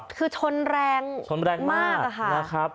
คือชนแรงมาก